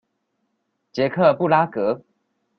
捷克布拉格